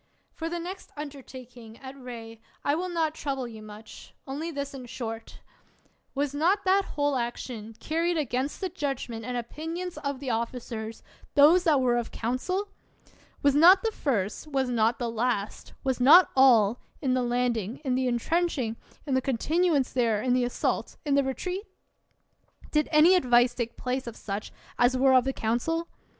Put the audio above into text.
For the next undertaking, at Rhee, I will not trouble you much; only this in short: Was not that whole action carried against the judgment and opinions of the officers — those that were of council ? Was not the first, was not the last, was not all, in the landing, in the intrenching, in the continuance there, in the assault, in the retreat? Did any advice take place of such as were of the council